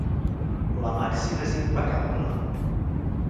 La màxima és impecable.